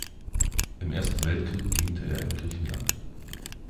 Im Ersten Weltkrieg diente er in Griechenland.